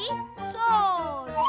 それ！